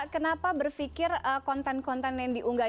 kenapa berfikir konten konten yang diunggahin